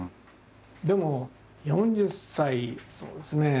でも４０歳そうですね。